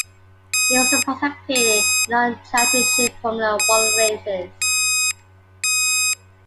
He also participated in non-Championship Formula One races.